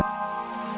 sampai jumpa lagi